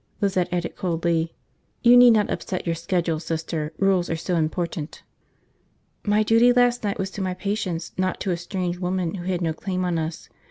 Lizette added coldly, "You need not upset your schedule, Sister. Rules are so important." "My duty last night was to my patients, not to a strange woman who had no claim on us.